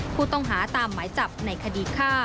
ผู้ต้องหาตามหมายจับในคดีฆ่า